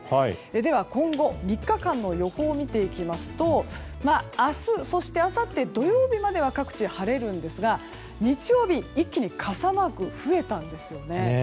では今後、３日間の予報を見ていきますと明日、あさって、土曜日までは各地、晴れるんですが日曜日、一気に傘マークが増えたんですね。